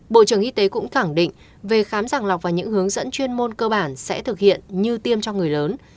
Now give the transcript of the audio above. bộ trưởng y tế cũng khẳng định về khám sàng lọc và những hướng dẫn chuyên môn cơ bản sẽ thực hiện như tiêm cho người lớn